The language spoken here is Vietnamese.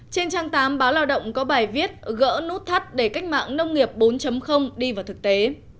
trên trang tám báo lao động có bài viết gỡ nút thắt để cách mạng nông nghiệp bốn đi vào thực tế